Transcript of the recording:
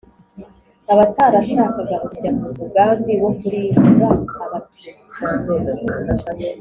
abatarashakaga kujya mu mugambi wo kurimbura abatutsi.